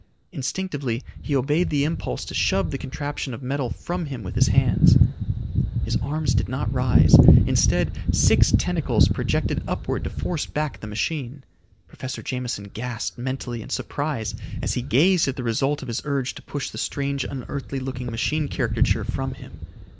Instinctively he obeyed the impulse to shove the contraption of metal from him with his hands. His arms did not rise, instead six tentacles projected upward to force back the machine. Professor Jameson gasped mentally in surprise as he gazed at the result of his urge to push the strange, unearthly looking machine caricature from him.